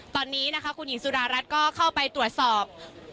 ตอนนี้นะคะคุณหญิงสุดารัฐก็เข้าไปตรวจสอบ